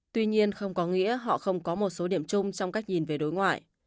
tuy nhiên không có nghĩa họ không có một số điểm chung trong cách nhìn về đối ngoại